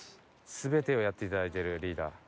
全てをやっていただいてるリーダー。